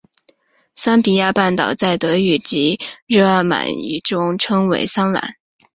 桑比亚半岛在德语及日耳曼语族中称为桑兰。